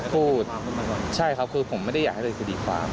พูดใช่ครับคือผมไม่ได้อยากให้เป็นคดีความ